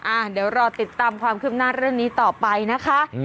อ่ะเดี๋ยวรอติดตามความคืบหน้าเรื่องนี้ต่อไปนะคะ